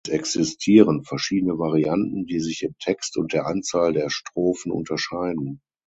Es existieren verschiedene Varianten, die sich im Text und der Anzahl der Strophen unterscheiden.